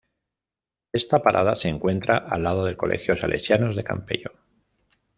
Esta parada se encuentra al lado del Colegio Salesianos de Campello.